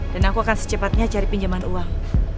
dan aku akan secepatnya cari pinjaman uang